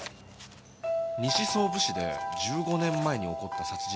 西総武市で１５年前に起こった殺人事件。